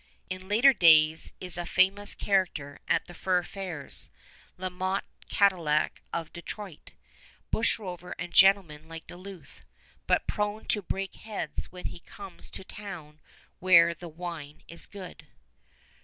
In later days is a famous character at the Fur Fairs La Motte Cadillac of Detroit, bushrover and gentleman like Duluth, but prone to break heads when he comes to town where the wine is good.